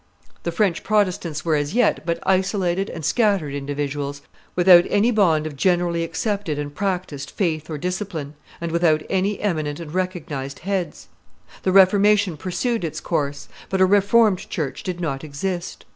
The French Protestants were as yet but isolated and scattered individuals, without any bond of generally accepted and practised faith or discipline, and without any eminent and recognized heads. The Reformation pursued its course; but a Reformed church did not exist.